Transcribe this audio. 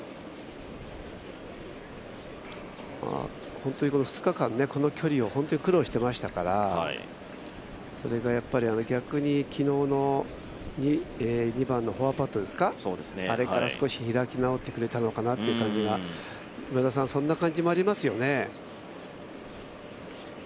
本当にこの２日間、この距離を苦労していましたからそれが逆に昨日の２番の４パットですか、あれから少し開き直ってくれたのかなという感じが、今田さん、そんな感じもありますよね。